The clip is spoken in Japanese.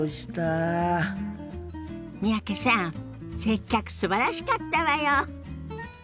三宅さん接客すばらしかったわよ。